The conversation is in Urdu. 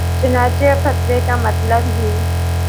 چنانچہ اب فتوے کا مطلب ہی